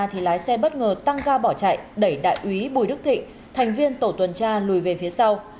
thì lái xe bất ngờ tăng ga bỏ chạy đẩy đại úy bùi đức thịnh thành viên tổ tuần tra lùi về phía sau